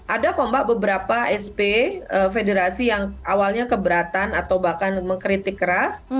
ada kok mbak beberapa sp federasi yang awalnya keberatan atau bahkan mengkritik keras